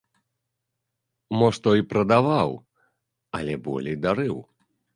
Мо што і прадаваў, але болей дарыў.